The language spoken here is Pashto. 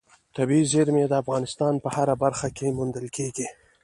طبیعي زیرمې د افغانستان په هره برخه کې موندل کېږي.